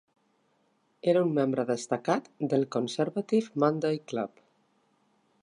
Era un membre destacat del Conservative Monday Club.